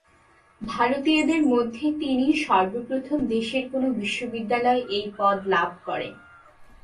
ভারতীয়দের মধ্যে তিনিই সর্বপ্রথম দেশের কোন বিশ্ববিদ্যালয়ে এই পদ লাভ করেন।